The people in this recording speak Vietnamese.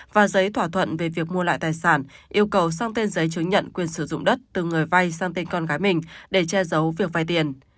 và giấy thỏa thuận về việc mua lại tài sản yêu cầu sang tên giấy chứng nhận quyền sử dụng đất từ người vay sang tên con gái mình để che giấu việc vay tiền